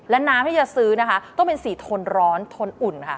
และน้ำที่จะซื้อต้องเป็นสีโทนร้อนโทนอุ่นนะคะ